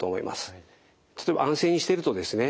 例えば安静にしているとですね